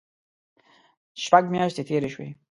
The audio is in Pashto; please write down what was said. شپږ میاشتې تېرې شوې.